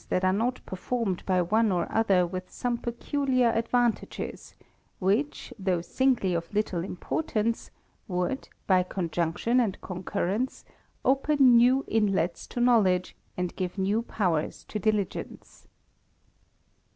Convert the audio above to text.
that arc not performed by one or other with some peculiar advantages, which, though singly of little importance would, by conjunction and concurrence, open new inlets to knowledge, and give new powers to diligence.